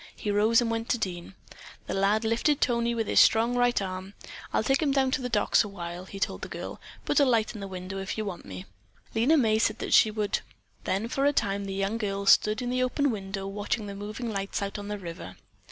He rose and went to Dean. The lad lifted Tony with his strong right arm. "I'll take him down to the docks a while," he told the girl. "Put a light in the window if you want me." Lena May said that she would. Then for a time the young girl stood in the open window watching the moving lights out on the river.